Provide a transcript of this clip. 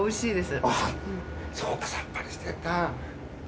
そうかさっぱりしてるか。